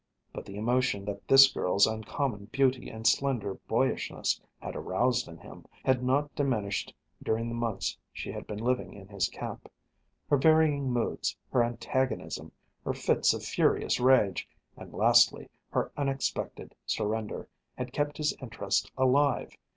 But the emotion that this girl's uncommon beauty and slender boyishness had aroused in him had not diminished during the months she had been living in his camp. Her varying moods, her antagonism, her fits of furious rage, and, lastly, her unexpected surrender, had kept his interest alive.